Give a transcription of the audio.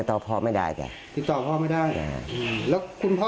ติดต่อพ่อไม่ได้แล้วคุณพ่อ